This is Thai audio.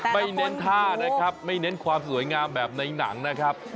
เน้นท่านะครับไม่เน้นความสวยงามแบบในหนังนะครับ